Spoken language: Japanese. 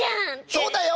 そうだよ！